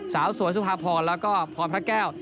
สาวสวยสุภาพรแล้วก็พรพระแก้ว